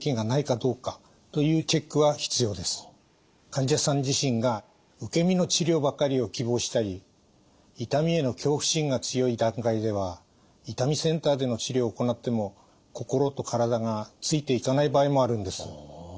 患者さん自身が受け身の治療ばかりを希望したり痛みへの恐怖心が強い段階では痛みセンターでの治療を行っても心と体がついていかない場合もあるんです。